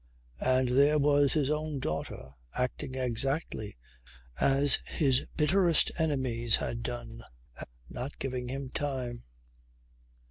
And there was his own daughter acting exactly as his bitterest enemies had done. Not giving him time!